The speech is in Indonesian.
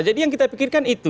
jadi yang kita pikirkan itu